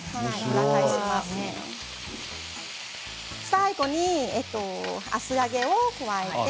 最後に厚揚げを加えて。